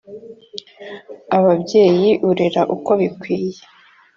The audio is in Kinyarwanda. Ababyeyi urerera uko bikwiye